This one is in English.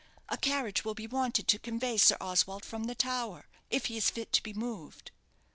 A carriage will be wanted to convey Sir Oswald from the tower, if he is fit to be moved."